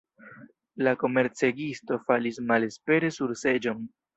La komercegisto falis malespere sur seĝon.